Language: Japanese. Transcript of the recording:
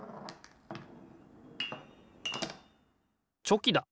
チョキだ！